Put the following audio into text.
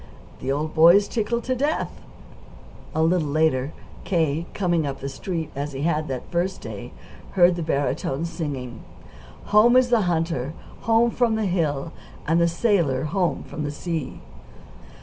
The old boy's tickled to death." A little later, K., coming up the Street as he had that first day, heard the barytone singing: "Home is the hunter, home from the hill, And the sailor, home from sea."